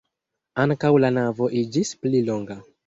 Ankaŭ la navo iĝis pli longa.